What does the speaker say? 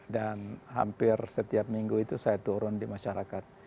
dan hampir setiap minggu itu saya turun di masyarakat